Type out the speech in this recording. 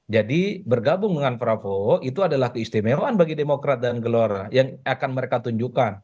bergabung dengan prabowo itu adalah keistimewaan bagi demokrat dan gelora yang akan mereka tunjukkan